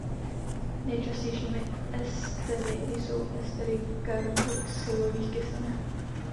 Nejčastějšími estery jsou estery karboxylových kyselin.